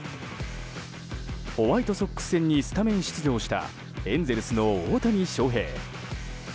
ホワイトソックス戦にスタメン出場したエンゼルスの大谷翔平。